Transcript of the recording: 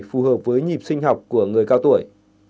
phù hợp với nhịp sinh học của người cao tuổi